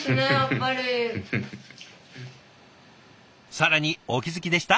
更にお気付きでした？